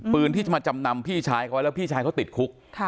ปืนที่จะมาจำนำพี่ชายเขาไว้แล้วพี่ชายเขาติดคุก